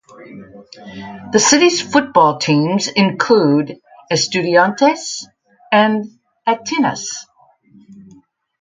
The city's football teams include Estudiantes and Atenas.